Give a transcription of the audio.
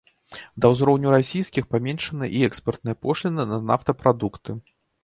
Да ўзроўню расійскіх паменшаныя і экспартныя пошліны на нафтапрадукты.